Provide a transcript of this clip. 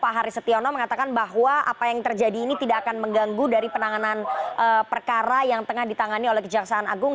pak haris setiono mengatakan bahwa apa yang terjadi ini tidak akan mengganggu dari penanganan perkara yang tengah ditangani oleh kejaksaan agung